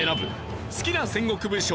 好きな戦国武将